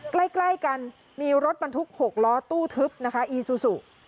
ใกล้กันมีรถบรรทุก๖ล้อตู้ทึบนะคะอีซูซู